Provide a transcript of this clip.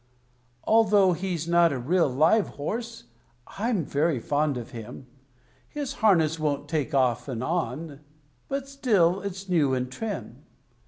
Although he's not a real live horse, I'm very fond of him; His harness won't take off and on, but still it's new and trim.